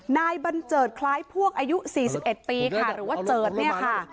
นายบัญเจิดคล้ายพวกอายุ๔๑ปีค่ะหรือว่าเจิดเนี่ยค่ะ